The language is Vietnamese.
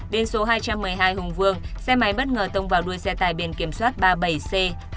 bên số hai trăm một mươi hai hùng vương xe máy bất ngờ tông vào đuôi xe tải bên kiểm soát ba mươi bảy c hai nghìn hai mươi hai